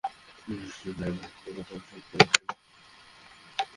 আমরা তাদের কথায় এসব করছি।